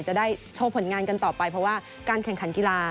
จะได้โชว์ผลงานกันต่อไปเพราะว่าการแข่งขันกีฬา